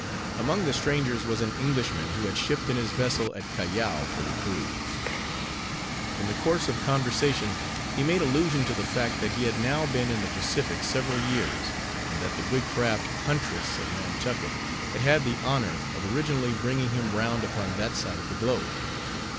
Among the strangers was an Englishman, who had shipped in his vessel at Callao, for the cruise. In the course of conversation, he made allusion to the fact, that he had now been in the Pacific several years, and that the good craft Huntress of Nantucket had had the honor of originally bringing him round upon that side of the globe.